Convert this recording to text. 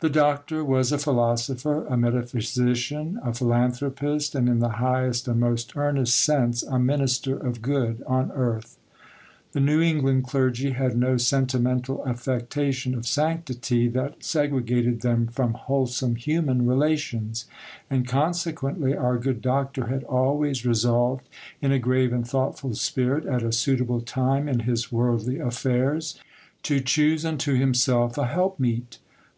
The Doctor was a philosopher, a metaphysician, a philanthropist, and in the highest and most earnest sense a minister of good on earth. The New England clergy had no sentimental affectation of sanctity that segregated them from wholesome human relations; and, consequently, our good Doctor had always resolved, in a grave and thoughtful spirit, at a suitable time in his worldly affairs, to choose unto himself a helpmeet.